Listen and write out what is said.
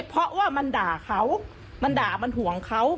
เพราะว่ามันด่าเขามันด่ามันห่วงเขา